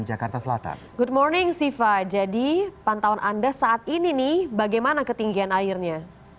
jakarta selatan good morning siva jadi pantauan anda saat ini nih bagaimana ketinggian airnya